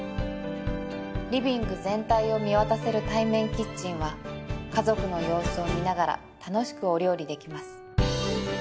「リビング全体を見渡せる対面キッチンは家族の様子を見ながら楽しくお料理できます」